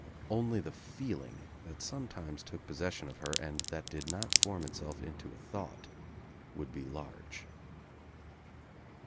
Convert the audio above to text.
Only the feeling that sometimes took possession of her, and that did not form Itself into a thought would be large.